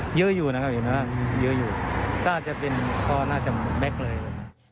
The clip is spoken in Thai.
พอเยอะอยู่นะครับเยอะอยู่ถ้าจะเป็นพอน่าจะแบ๊คเลย